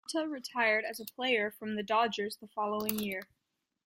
Mota retired as a player from the Dodgers the following year.